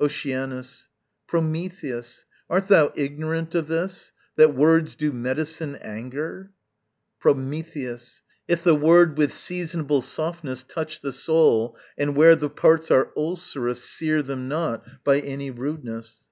Oceanus. Prometheus, art thou ignorant of this, That words do medicine anger? Prometheus. If the word With seasonable softness touch the soul And, where the parts are ulcerous, sear them not By any rudeness.